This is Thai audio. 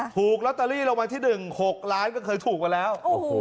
ถูกลอตเตอรี่รางวัลที่๑๖ล้านก็เคยถูกมาแล้ว